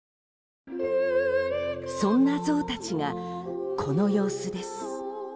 そんなゾウたちがこの様子です。